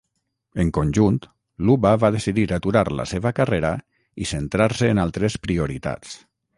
En conjunt, Luba va decidir aturar la seva carrera i centrar-se en altres prioritats.